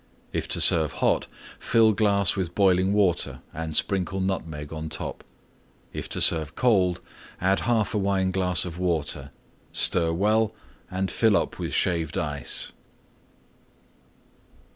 If to serve hot, fill glass with boiling Water and sprinkle Nutmeg on top. If to serve cold, add 1/2 Wineglass Water. Stir well and fill up with Shaved Ice.